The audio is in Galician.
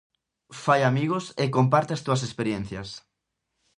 Fai amigos e comparte as túas experiencias.